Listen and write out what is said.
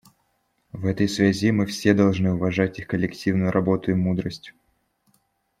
В этой связи мы все должны уважать их коллективную работу и мудрость.